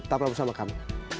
tetap berhubung sama kami